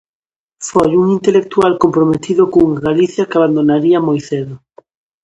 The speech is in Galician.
Foi un intelectual comprometido cunha Galicia que abandonaría moi cedo.